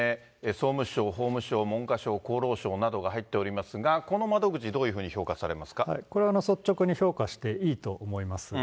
総務省、法務省、文科省、厚労省などが入っておりますが、この窓口、どうこれは率直に評価していいと思います。